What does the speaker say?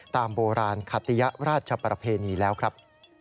ตามโบราณคติยราชประเพณีแล้วครับ